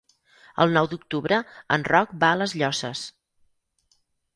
El nou d'octubre en Roc va a les Llosses.